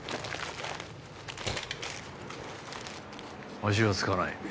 足はつかない。